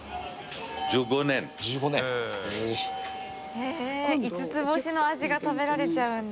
へぇ５つ星の味が食べられちゃうんだ。